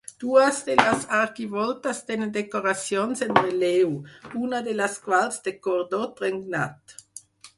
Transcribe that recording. Dues de les arquivoltes tenen decoracions en relleu, una de les quals de cordó trenat.